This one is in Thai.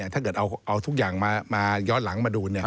ถ้าเกิดเอาทุกอย่างมาย้อนหลังมาดู